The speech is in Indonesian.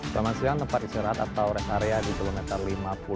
selama siang tempat istirahat atau rest area di pulau meter lima puluh dua